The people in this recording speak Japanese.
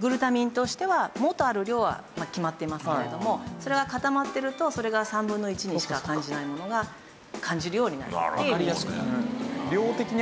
グルタミンとしては元ある量は決まっていますけれどもそれが固まってるとそれが３分の１にしか感じないものが感じるようになるっていう。